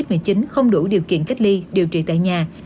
bệnh nhân mắc covid một mươi chín không đủ điều kiện cách ly điều trị tại nhà